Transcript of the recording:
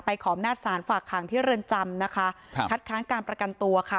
ขอบหน้าศาลฝากขังที่เรือนจำนะคะครับคัดค้างการประกันตัวค่ะ